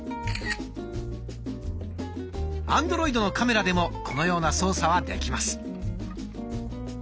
アンドロイドのカメラでもこのような操作はできます。